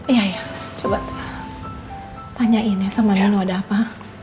iya iya coba tanyain ya sama nino ada apa